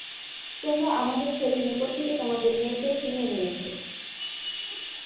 তোমরা আমাদের ছেলের নিকট থেকে তোমাদের মেয়েকে ছিনিয়ে নিয়েছে।